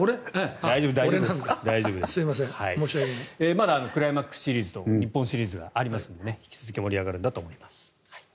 まだクライマックスシリーズと日本シリーズがありますので引き続き盛り上がるんだと思います。